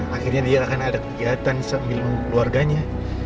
akhirnya dia akan ada kegiatan sambil keluarganya